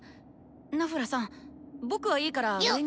ナフラさん僕はいいから上に。